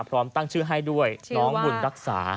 พร้อมตั้งชื่อให้ด้วยน้องบุญรักษา